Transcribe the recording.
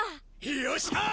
よっしゃー！